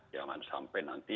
jangan sampai negatif